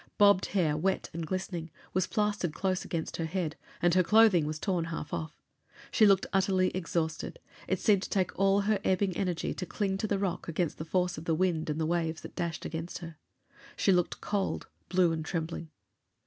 Bobbed hair, wet and glistening, was plastered close against her head, and her clothing was torn half off. She looked utterly exhausted; it seemed to take all her ebbing energy to cling to the rock against the force of the wind and the waves that dashed against her. She looked cold, blue and trembling.